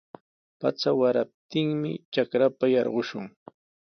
Pacha waraptinmi trakrapa yarqushun.